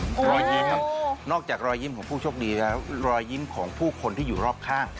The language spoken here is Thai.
รอยยิ้มนอกจากรอยยิ้มของผู้โชคดีแล้วรอยยิ้มของผู้คนที่อยู่รอบข้าง